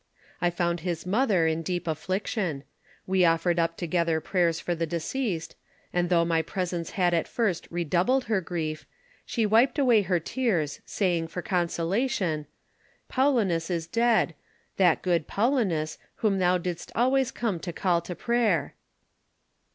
I found his mother in deep affliction ; we offered up together prayers for the deceased, and though my presence had at first redoubled her grief, she wiped away Her tears, saying for consolation: "Paulinus is dead; that good Faulinus whom thou didst always come to call to prayer."